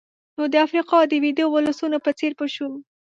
نو د افریقا د ویدو ولسونو په څېر به شو.